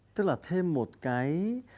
tức là thêm một cái